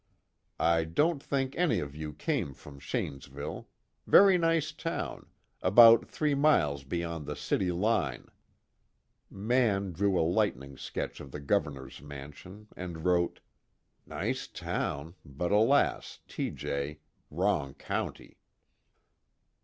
I don't think any of you come from Shanesville very nice town, about three miles beyond the city line." Mann drew a lightning sketch of the Governor's mansion, and wrote: _Nice town, but alas, T. J., wrong county!